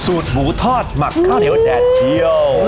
หมูทอดหมักข้าวเหนียวแดดเที่ยว